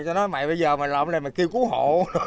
tôi nói mày bây giờ mày lậu cái này mày kêu cứu hộ